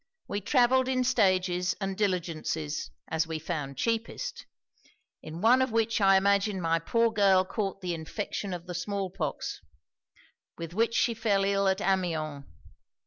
We travelled in stages and diligences, as we found cheapest; in one of which I imagine my poor girl caught the infection of the small pox, with which she fell ill at Amiens.